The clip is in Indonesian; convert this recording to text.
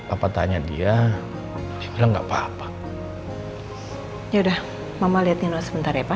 apa tanya dia bilang nggak apa apa ya udah mama lihatnya sebentar ya pak